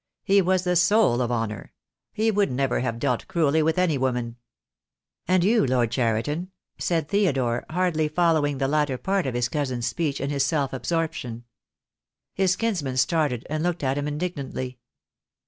He was the soul of honour. He would never have dealt cruelly with any woman." "And you, Lord Cheriton," said Theodore, hardly following the latter part of his cousin's speech in his self absorption. His kinsman started and looked at him indignantly.